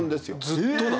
ずっとだ。